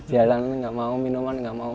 jalan gak mau minuman gak mau